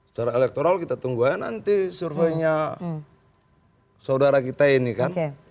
secara elektoral kita tunggu aja nanti surveinya saudara kita ini kan